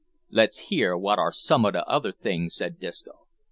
"Let's hear wot are some of the other things," said Disco.